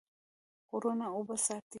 غرونه اوبه ساتي.